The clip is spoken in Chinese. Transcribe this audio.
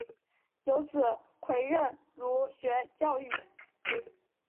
有子戴槚任儒学教谕。